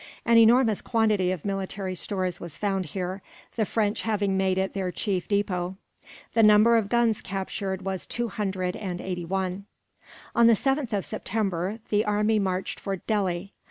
An enormous quantity of military stores was found here, the French having made it their chief depot. The number of guns captured was two hundred and eighty one. On the 7th of September, the army marched for Delhi.